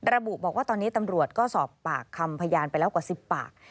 ระบุบอกว่าตอนนี้ตำรวจก็สอบปากคำพยานไปแล้วกว่า๑๐ปาก